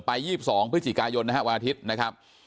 ปลาย๒๒พฤศจิกายนนะฮะวันอาทิตย์นะครับ